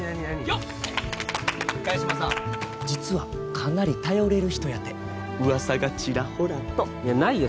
よっ萱島さん実はかなり頼れる人やて噂がちらほらといやないよ